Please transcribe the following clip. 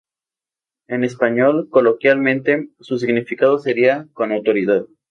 En español, coloquialmente, su significado sería "con autoridad".